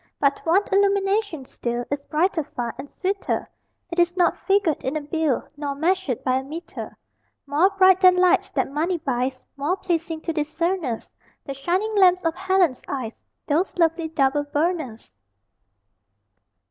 But one illumination still Is brighter far, and sweeter; It is not figured in a bill, Nor measured by a meter. More bright than lights that money buys, More pleasing to discerners, The shining lamps of Helen's eyes, Those lovely double burners!